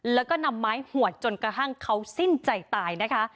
แล้วก็นำไม้หวดจนกระทั่งเขาสิ้นใจตายนะคะ